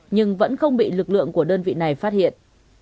nhưng vẫn không bị lực lượng của đơn vị này phát hiện